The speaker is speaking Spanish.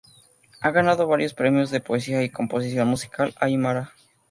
Ha ganado varios premios de poesía y composición musical aimara.